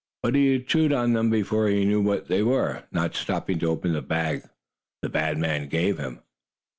But he had chewed on them before he knew what they were, not stopping to open the bag the bad man gave him.